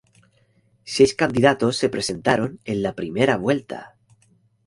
Seis candidatos se presentaron en la primera vuelta.